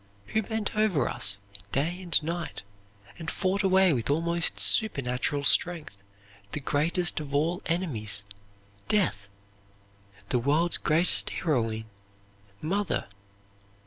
Who bent over us day and night and fought away with almost supernatural strength the greatest of all enemies death? The world's greatest heroine Mother!